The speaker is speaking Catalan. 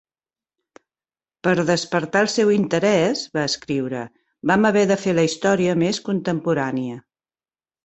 "Per despertar el seu interès", va escriure, "vam haver de fer la història més contemporània".